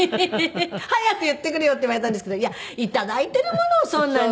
「早く言ってくれよ」って言われたんですけどいやいただいてるものをそんなね。